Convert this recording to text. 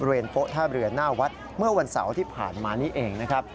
โป๊ท่าเรือหน้าวัดเมื่อวันเสาร์ที่ผ่านมานี้เองนะครับ